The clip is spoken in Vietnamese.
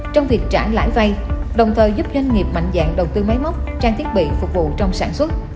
trong việc trả lãi vay đồng thời giúp doanh nghiệp mạnh dạng đầu tư máy móc trang thiết bị phục vụ trong sản xuất